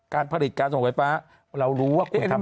การผลิตการส่งไฟฟ้าเรารู้ว่าคุณทำ